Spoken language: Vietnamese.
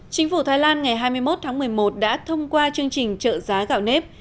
chính phủ thái lan ngày hai mươi một tháng một mươi một đã thông qua chương trình trợ giá gạo nếp